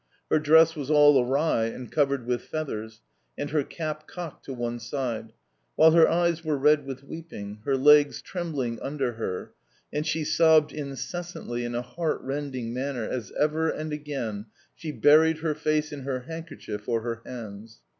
Her dress was all awry and covered with feathers, and her cap cocked to one side, while her eyes were red with weeping, her legs trembling under her, and she sobbed incessantly in a heartrending manner as ever and again she buried her face in her handkerchief or her hands.